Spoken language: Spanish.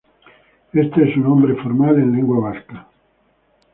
Este es su nombre formal en lengua vasca.